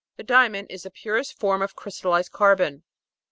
A diamond is the purest form of crystallised carbon.